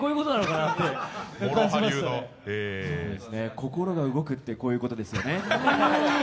心が動くって、こういうことですよね。